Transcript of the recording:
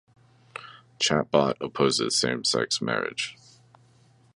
Chabot opposes same-sex marriage.